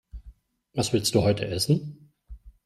Was willst du heute essen?